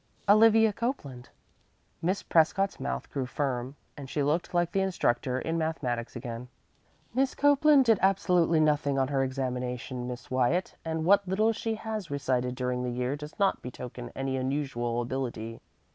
"Olivia Copeland." Miss Prescott's mouth grew firm, and she looked like the instructor in mathematics again. "Miss Copeland did absolutely nothing on her examination, Miss Wyatt, and what little she has recited during the year does not betoken any unusual ability.